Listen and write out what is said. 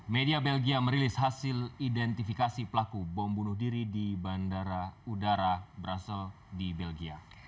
media belgia merilis hasil identifikasi pelaku bom bunuh diri di bandara udara brazil di belgia